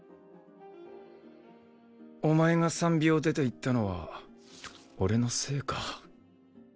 お前がサンビを出て行ったのは俺のせいか。